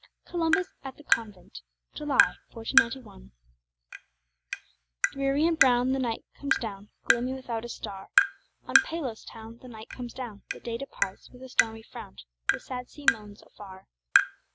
COLUMBUS AT THE CONVENT [July, 1491] Dreary and brown the night comes down, Gloomy, without a star. On Palos town the night comes down; The day departs with a stormy frown; The sad sea moans afar.